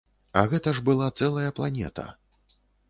А гэта ж была цэлая планета.